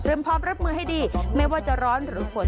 พร้อมรับมือให้ดีไม่ว่าจะร้อนหรือฝน